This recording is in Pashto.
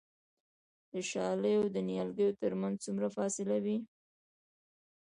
د شالیو د نیالګیو ترمنځ څومره فاصله وي؟